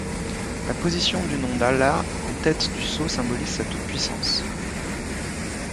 La position du nom d'Allah en tête du sceau symbolise sa toute-puissance.